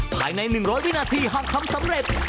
ภายใน๑๐๐วินาทีหากทำสำเร็จ